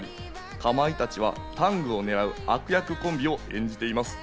かまいたちはタングを狙う悪役コンビを演じています。